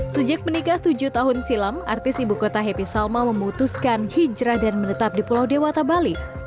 sejak menikah tujuh tahun silam artis ibu kota happy salma memutuskan hijrah dan menetap di pulau dewata bali